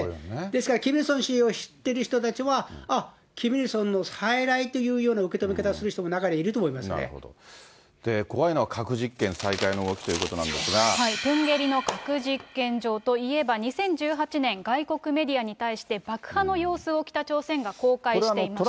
ですからキム・イルソン氏を知ってる人たちは、ああ、キム・イルソンの再来というような受け止め方をするというような怖いのは核実験再開の動きとプンゲリの核実験場といえば、２０１８年、外国メディアに対して、爆破の様子を北朝鮮が公開していました。